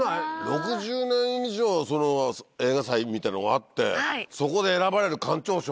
６０年以上映画祭みたいのがあってそこで選ばれる館長賞？